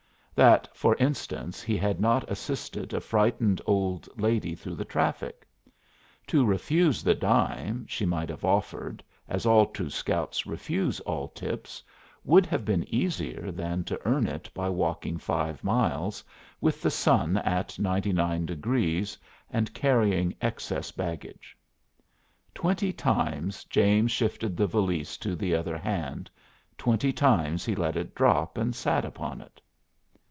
That, for instance, he had not assisted a frightened old lady through the traffic. To refuse the dime she might have offered, as all true Scouts refuse all tips, would have been easier than to earn it by walking five miles, with the sun at ninety nine degrees, and carrying excess baggage. Twenty times James shifted the valise to the other hand, twenty times he let it drop and sat upon it.